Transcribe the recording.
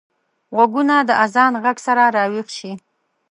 غوږونه د اذان غږ سره راويښ شي